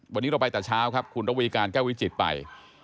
วันนี้เราไปแต่เช้าครับคุณระวีการแก้ววิจิตรไป